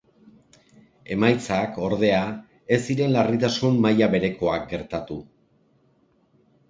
Emaitzak, ordea, ez ziren larritasunaren maila berekoak gertatu.